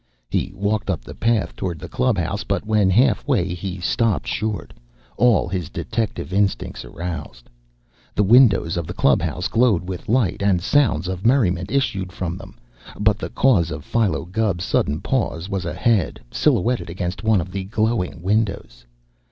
He walked up the path toward the club house, but when halfway, he stopped short, all his detective instincts aroused. The windows of the club house glowed with light, and sounds of merriment issued from them, but the cause of Philo Gubb's sudden pause was a head silhouetted against one of the glowing windows.